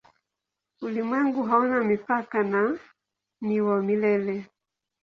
Ulimwengu hauna mipaka na ni wa milele.